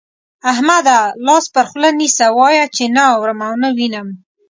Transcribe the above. احمده! لاس پر خوله نيسه، وايه چې نه اورم او نه وينم.